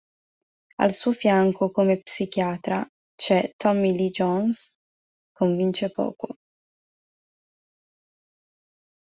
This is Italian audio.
Al suo fianco, come psichiatra, c'è Tommy Lee Jones: convince poco".